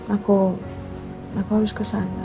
aku aku harus ke sana